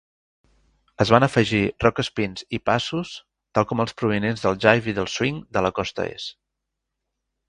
Es van afegir "Rock spins" i "passos", tal com els provinents del Jive i del Swing de la Costa Est.